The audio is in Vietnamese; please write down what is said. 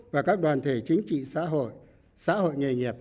và các đoàn thể chính trị xã hội